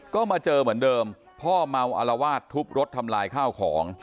ก็มาเจอเหมือนเดิมพ่อเมาอลวาดทุบรถทำลายข้าวของ